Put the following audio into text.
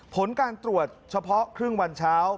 ผลการตรวจเฉพาะครึ่งวันเช้า